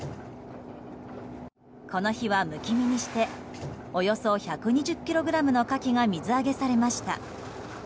この日は、むき身にしておよそ１２０ｋｇのカキが水揚げされました。